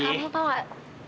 kamu tahu nggak